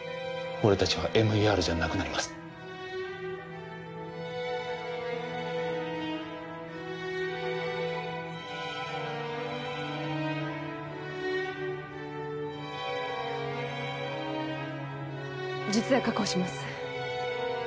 俺達はＭＥＲじゃなくなります術野確保します